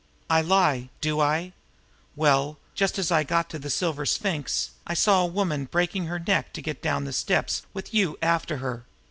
I lie, do I? Well, just as I got to the Silver Sphinx, I saw a woman breaking her neck to get down the steps with you after her.